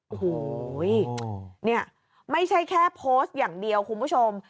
โอ้โหเนี่ยไม่ใช่แค่โพสต์อย่างเดียวคุณผู้ชม